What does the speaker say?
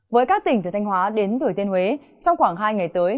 với các tỉnh từ thanh hóa đến thủy tiên huế trong khoảng hai ngày tới